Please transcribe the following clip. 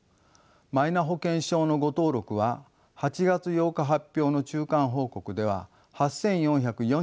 マイナ保険証の誤登録は８月８日発表の中間報告では８，４４１件に上りました。